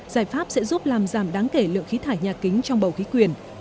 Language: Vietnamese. giải pháp sẽ giúp làm giảm đáng kể lượng khí thải nhà kính trong bầu khí quyền